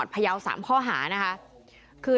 ตายหนึ่ง